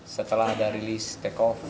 setelah ada rilis take off